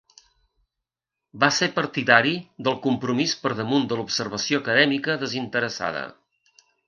Va ser partidari del compromís per damunt de l'observació acadèmica desinteressada.